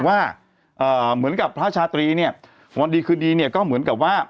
ว่าเหมือนกับพระชาตรีเนี่ยวันดีคืนดีเนี่ยก็เหมือนกับว่า